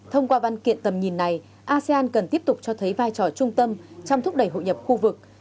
thông qua văn kiện tầm nhìn này asean cần tiếp tục cho thấy vai trò trung tâm trong thúc đẩy hội nhập khu vực